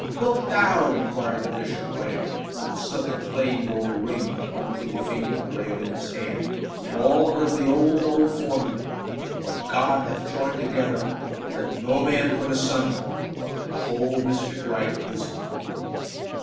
"Wilt thou?" inquired the bishop, blandly, and slipped a plain gold ring on one pretty finger of Leoline's hand and all heard the old, old formula: "What God hath joined together, let no man put asunder!" And the whole mystic rite was over.